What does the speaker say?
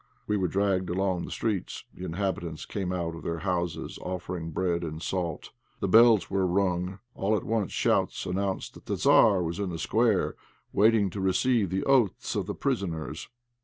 We were dragged along the streets. The inhabitants came out of their houses, offering bread and salt. The bells were rung. All at once shouts announced that the Tzar was in the square waiting to receive the oaths of the prisoners.